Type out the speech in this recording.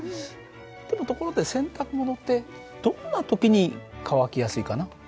でもところで洗濯物ってどんな時に乾きやすいかな？